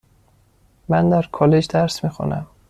من در کالج درس میخوانم.